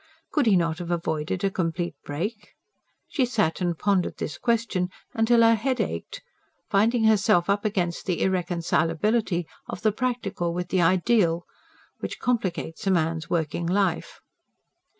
Could he not have avoided a complete break? She sat and pondered this question till her head ached, finding herself up against the irreconcilability of the practical with the ideal which complicates a man's working life.